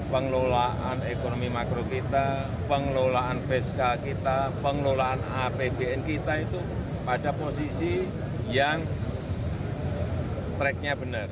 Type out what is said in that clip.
pengelolaan ekonomi makro kita pengelolaan fiskal kita pengelolaan apbn kita itu pada posisi yang tracknya benar